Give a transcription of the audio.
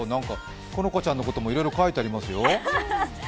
好花ちゃんのこともいろいろ書いてありますよ。